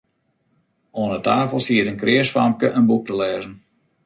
Oan 'e tafel siet in kreas famke in boek te lêzen.